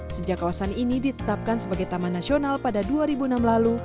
sejak kawasan ini ditetapkan sebagai taman nasional pada dua ribu enam lalu